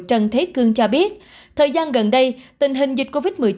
trần thế cương cho biết thời gian gần đây tình hình dịch covid một mươi chín